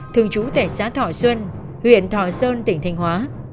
thường trú tại xã thỏ xuân huyện thỏ xuân tỉnh thành hóa